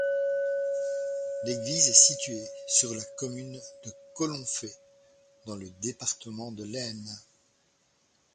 L'église est située sur la commune de Colonfay, dans le département de l'Aisne.